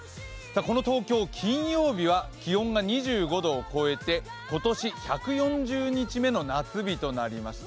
この東京、金曜日は気温が２５度を超えて今年１４０日目の夏日となりました。